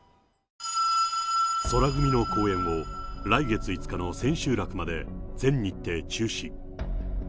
宙組の公演を来月５日の千秋楽まで全日程中止。